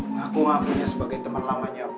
ngaku ngakunya sebagai teman lamanya